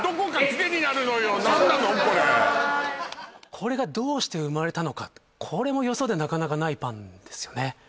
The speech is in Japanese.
これがどうして生まれたのかとこれもよそでなかなかないパンですよね